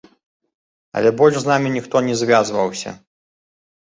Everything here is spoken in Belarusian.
Але больш з намі ніхто не звязваўся.